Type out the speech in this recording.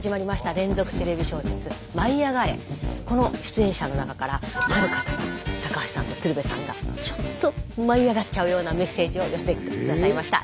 この出演者の中からある方が高橋さんと鶴瓶さんがちょっと舞いあがっちゃうようなメッセージを寄せてくださいました。